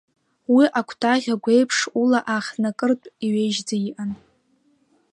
Уи акәтаӷь агәеиԥш ула аахнакыртә иҩеижьӡа иҟан.